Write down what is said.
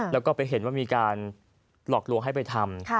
แล้วก็ไปเห็นว่ามีการหลอกลวงให้ไปทำ